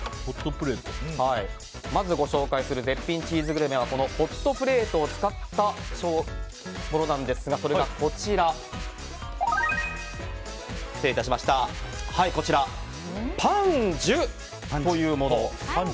まずご紹介する絶品チーズグルメはホットプレートを使ったものなんですがそれが、パンジュというもの。